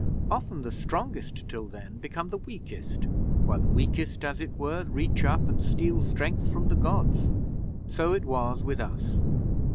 Often the strongest till then become the weakest, while the weakest, as it were, reach up and steal strength from the Gods. So it was with us.